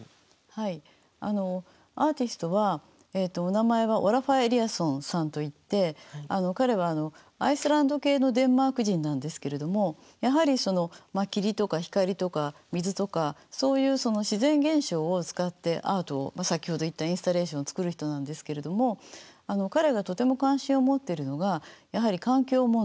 はいアーティストはお名前はオラファー・エリアソンさんといって彼はアイスランド系のデンマーク人なんですけれどもやはりその霧とか光とか水とかそういう自然現象を使ってアートを先ほど言ったインスタレーションを作る人なんですけれども彼がとても関心を持っているのがやはり環境問題サステナビリティ。